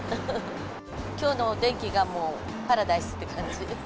きょうのお天気がもうパラダイスって感じ。